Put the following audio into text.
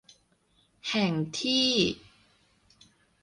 แห่งที่